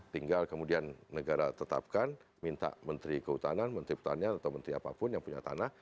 tinggal kemudian negara tetapkan minta menteri kehutanan menteri pertanian atau menteri apapun yang punya tanah